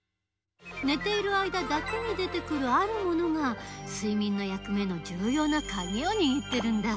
寝ている間だけに出てくるあるものが睡眠の役目のじゅうようなカギをにぎってるんだ。